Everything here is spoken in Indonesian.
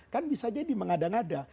kan bisa jadi mengada ngada